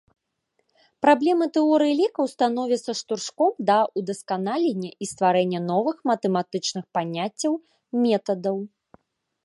Праблемы тэорыі лікаў становяцца штуршком да ўдасканалення і стварэння новых матэматычных паняццяў, метадаў.